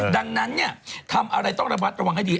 ดังนั้นเนี่ยทำอะไรต้องระวังให้ดี